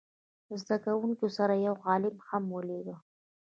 له زده کوونکو سره یې یو عالم هم ولېږه.